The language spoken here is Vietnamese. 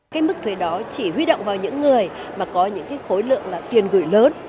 cái mức thuế đó chỉ huy động vào những người mà có những cái khối lượng là tiền gửi lớn